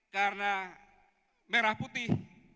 karena merah putih